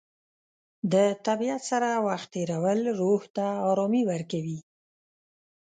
د طبیعت سره وخت تېرول روح ته ارامي ورکوي.